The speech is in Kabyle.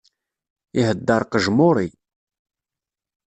Ihedder qejmuri!